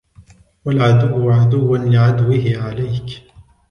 وَالْعَدُوُّ عَدُوًّا لِعَدْوِهِ عَلَيْك